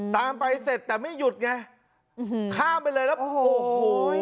ตามไปเสร็จแต่ไม่หยุดไงภารกิจข้ามไปเลยละโมงโหย